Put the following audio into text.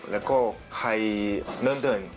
แล้วก็ให้เนินเดิน